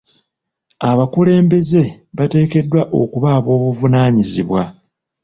Abakulembeze bateekeddwa okuba aboobuvunaanyizibwa.